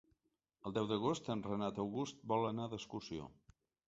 El deu d'agost en Renat August vol anar d'excursió.